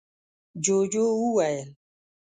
ُجوجُو وويل: